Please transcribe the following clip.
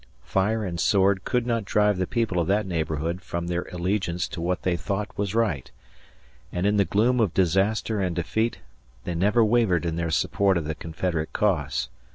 Fire and sword could not drive the people of that neighborhood from their allegiance to what they thought was right, and in the gloom of disaster and defeat they never wavered in their support of the Confederate cause.